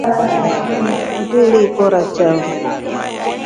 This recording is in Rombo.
Ngili kora chao.